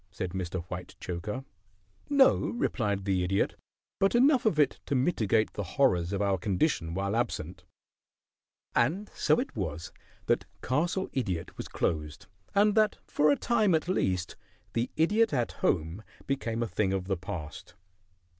said Mr. Whitechoker. "No," replied the Idiot. "But enough of it to mitigate the horrors of our condition while absent." And so it was that Castle Idiot was closed, and that for a time at least "The Idiot at Home" became a thing of the past.